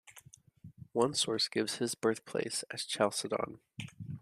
One source gives his birthplace as Chalcedon.